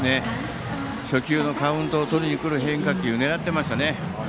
初球のカウントを取りに来る変化球を狙っていましたよね。